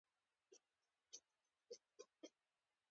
په نولسمه پیړۍ کې انګریزانو ډیر کتابونه ولیکل.